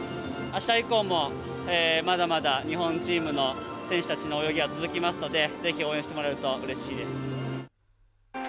あした以降も、まだまだ日本チームの選手たちの泳ぎは続きますのでぜひ応援してもらえるとうれしいです。